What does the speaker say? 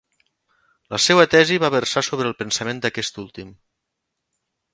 La seua tesi va versar sobre el pensament d'aquest últim.